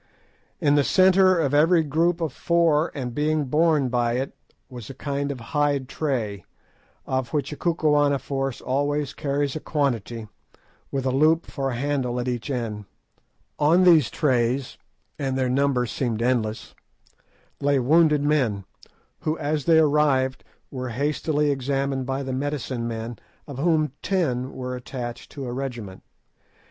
In the centre of every group of four, and being borne by it, was a kind of hide tray, of which a Kukuana force always carries a quantity, with a loop for a handle at each corner. On these trays—and their number seemed endless—lay wounded men, who as they arrived were hastily examined by the medicine men, of whom ten were attached to a regiment.